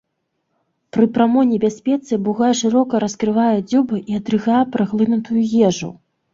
Пры прамой небяспецы бугай шырока раскрывае дзюбу і адрыгае праглынутую ежу.